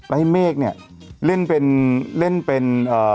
แล้วให้เมฆเนี่ยเล่นเป็นเล่นเป็นเอ่อ